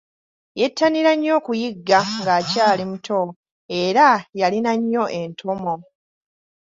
Yettanira nnyo okuyigga ng’akyali muto era yalina nnyo entomo.